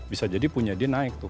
bisa jadi punya dia naik tuh